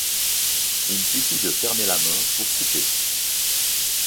Il suffit de fermer la main pour couper.